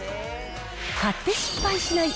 買って失敗しない！